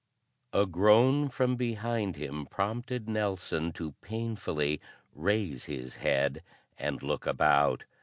A groan from behind him prompted Nelson to painfully raise his head and look about.